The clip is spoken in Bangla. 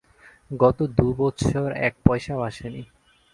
গত দু-বৎসর এক পয়সাও আসেনি।